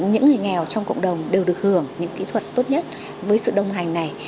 những người nghèo trong cộng đồng đều được hưởng những kỹ thuật tốt nhất với sự đồng hành này